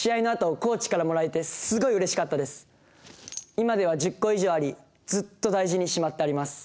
今では１０個以上ありずっと大事にしまってあります。